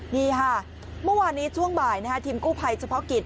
นี่ค่ะเมื่อวานนี้ช่วงบ่ายทีมกู้ภัยเฉพาะกิจ